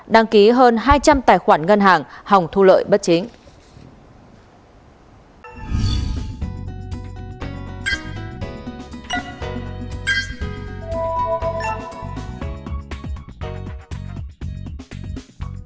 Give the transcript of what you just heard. đăng ký hơn hai trăm linh tài khoản ngân hàng hồng thu lợi bất chính